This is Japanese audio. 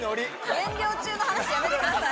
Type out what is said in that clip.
減量中の話やめてください。